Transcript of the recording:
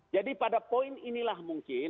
jadi pada poin inilah mungkin